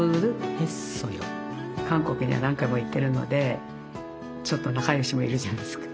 韓国には何回も行ってるのでちょっと仲良しもいるじゃないですか。